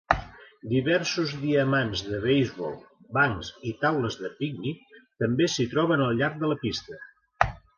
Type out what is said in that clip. Diversos diamants de beisbol, bancs i taules de pícnic també s'hi troben al llarg de la pista.